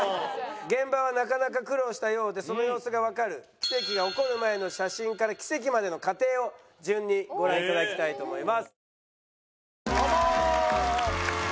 現場はなかなか苦労したようでその様子がわかる奇跡が起こる前の写真から奇跡までの過程を順にご覧頂きたいと思います。